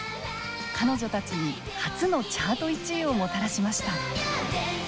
彼女たちに初のチャート１位をもたらしました。